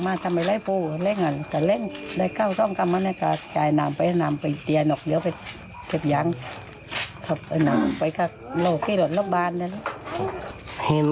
ไม่นึกนะไม่นึกว่ามันต้ำกว่านี้